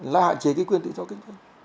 là hạn chế cái quyền tự do kinh doanh